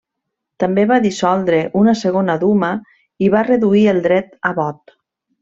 També va dissoldre una segona Duma i va reduir el dret a vot.